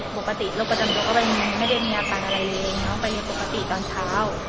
ปกติโรคประจำตัวก็ไม่ได้มีอาการอะไรเลยน้องไปเรียนปกติตอนเช้า